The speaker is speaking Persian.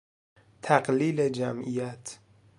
تقلیل جمعیت